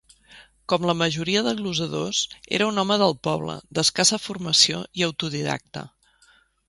Com la majoria de glosadors, era un home del poble, d'escassa formació i autodidacta.